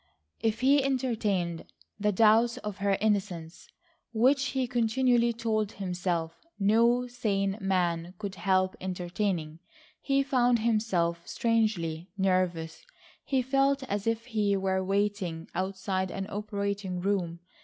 If he entertained the doubts of her innocence which he continually told himself no sane man could help entertaining, he found himself strangely nervous. He felt as if he were waiting outside an operating room.